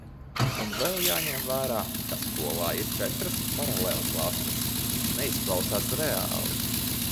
Un vēl jāņem vērā, ka skolā ir četras paralēlklases. Neizklausās reāli.